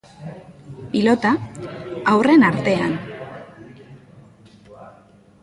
Pilota, haurren artean.